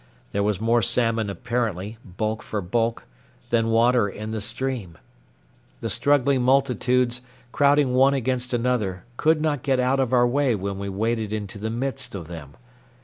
There was more salmon apparently, bulk for bulk, than water in the stream. The struggling multitudes, crowding one against another, could not get out of our way when we waded into the midst of them.